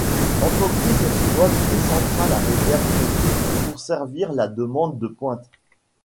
L'entreprise exploite des centrales à réserve pompée, pour servir la demande de pointe.